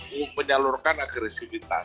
untuk menyalurkan agresivitas